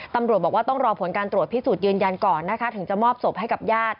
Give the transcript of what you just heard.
ตำรวจบอกว่าต้องรอผลการตรวจพิสูจน์ยืนยันก่อนนะคะถึงจะมอบศพให้กับญาติ